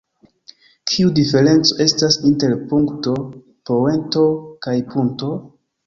Kiu diferenco estas inter punkto, poento kaj punto?